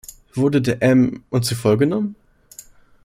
Wurde der M- und zu voll genommen?